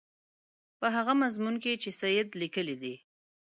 په هغه مضمون کې چې سید لیکلی دی.